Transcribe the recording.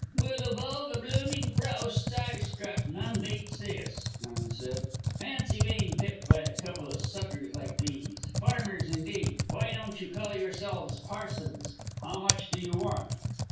"Well, of all the blooming frousts I've struck, none beats this," Lemon said. "Fancy being pipped by a couple of suckers like these. Farmers, indeed! Why don't you call yourselves parsons? How much do you want?"